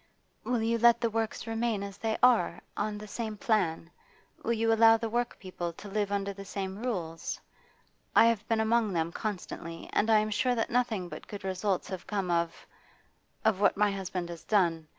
'Will you let the works remain as they are, on the same plan? Will you allow the workpeople to live under the same rules? I have been among them constantly, and I am sure that nothing but good results have come of of what my husband has done.